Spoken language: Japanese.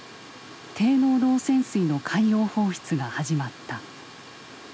低濃度汚染水の海洋放出が始まった。